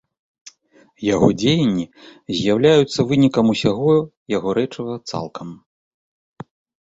Яго дзеянні з'яўляюцца вынікам усяго яго рэчыва цалкам.